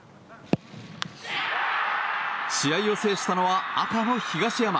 試合を制したのは赤の東山。